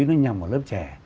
nó nhằm vào lớp trẻ